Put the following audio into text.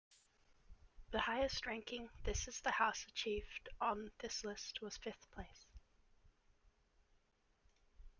The highest ranking "This Is the House" achieved on this list was fifth place.